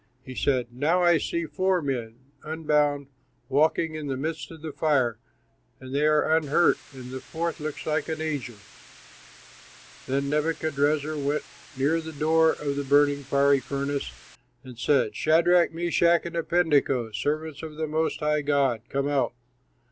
He said, "Now I see four men, unbound, walking in the midst of the fire, and they are unhurt, and the fourth looks like an angel." Then Nebuchadrezzar went near the door of the burning, fiery furnace and said, "Shadrach, Meshach, and Abednego, servants of the Most High God, come out."